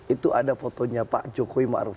itu ada fotonya pak jokowi ma'ruf